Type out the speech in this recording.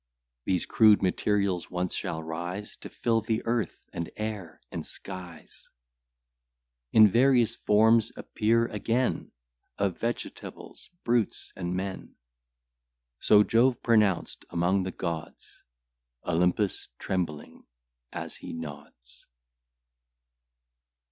These crude materials once shall rise To fill the earth, and air, and skies; In various forms appear again, Of vegetables, brutes, and men. So Jove pronounced among the gods, Olympus trembling as he nods.